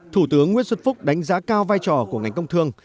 thủ tướng nguyễn xuân phúc đánh giá cao vai trò của ngành công thương